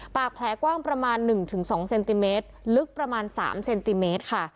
ปากแผลกว้างประมาณ๑๒เซนติเมตรลึกประมาณ๓เซนติเมตรค่ะ